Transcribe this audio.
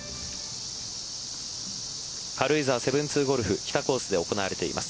軽井沢７２ゴルフコース北コースで行われています。